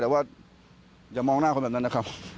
แต่ว่าอย่ามองหน้าคนแบบนั้นนะครับ